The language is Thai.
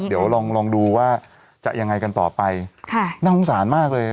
เดี๋ยวลองลองดูว่าจะยังไงกันต่อไปค่ะน่าสงสารมากเลย